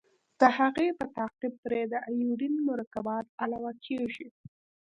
د هغې په تعقیب پرې د ایوډین مرکبات علاوه کیږي.